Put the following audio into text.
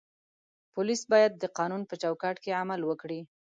پولیس باید د قانون په چوکاټ کې عمل وکړي.